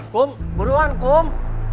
kum buruan kum